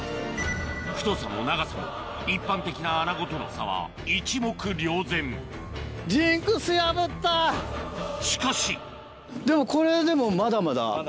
太さも長さも一般的なアナゴとの差は一目瞭然しかしでもこれでもまだまだ？